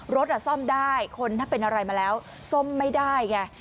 รถซ่อมได้คนถ้าเป็นอะไรมาแล้วซ่อมไม่ได้ไง